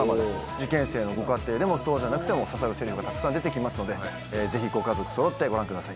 受験生のご家庭でもそうじゃなくても刺さるセリフがたくさん出て来ますのでぜひご家族そろってご覧ください。